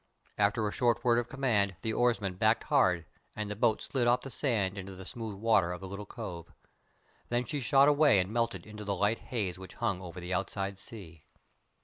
At a short word of command the oarsman backed hard, and the boat slid off the sand into the smooth water of the little cove. Then she shot away and melted into the light haze which hung over the outside sea.